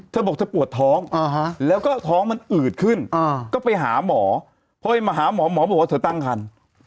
เธอบอกเธอปวดท้องแล้วก็ท้องมันอืดขึ้นก็ไปหาหมอพอมาหาหมอหมอบอกว่าเธอตั้งคัน